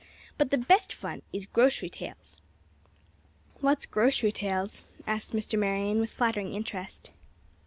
But the best fun is grocery tales." "What's 'grocery tales?'" asked Mr. Marion, with flattering interest.